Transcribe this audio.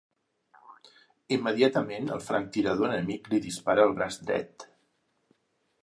Immediatament el franctirador enemic li dispara al braç dret.